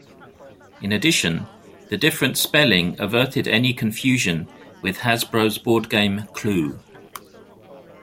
In addition, the different spelling averted any confusion with Hasbro's board game Clue.